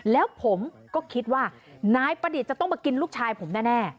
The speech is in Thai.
แล้วผมก็คิดว่านายประดิษฐ์จะต้องมากินลูกชายผมแน่